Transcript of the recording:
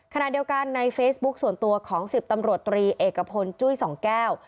ขณะเดียวกันในเฟซบุ๊คส่วนตัวของ๑๐ตำรวจตรีเอกพลจุ้ยสองแก้ว